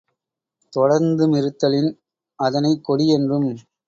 தொடர்ந்துமிருத்தலின், அதனைக் கொடி என்றும்